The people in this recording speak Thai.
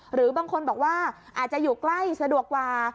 หรือบางคนบอกว่าอาจจะอยู่ใกล้สะดวกกว่า